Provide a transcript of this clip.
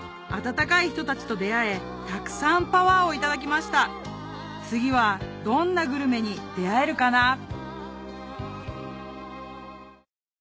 温かい人たちと出会えたくさんパワーを頂きました次はどんなグルメに出合えるかな？